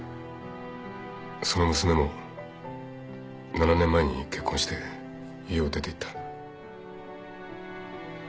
その娘も７年前に結婚して家を出ていった。